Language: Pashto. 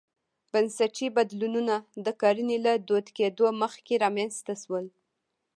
بنسټي بدلونونه د کرنې له دود کېدو مخکې رامنځته شول.